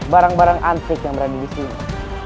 barang barang antik yang berada disini